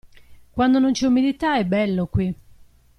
Quando non c'è umidità è bello qui.